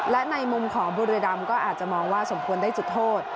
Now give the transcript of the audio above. และในมุมของบุรีดำก็อาจจะมองว่าสมควรได้จุดโทษ